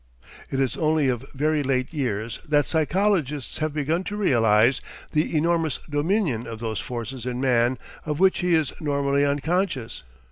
"It is only of very late years that psychologists have begun to realise the enormous dominion of those forces in man of which he is normally unconscious.